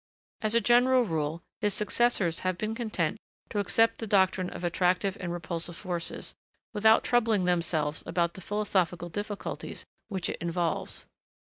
As a general rule, his successors have been content to accept the doctrine of attractive and repulsive forces, without troubling themselves about the philosophical difficulties which it involves.